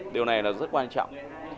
điều này là rất quan trọng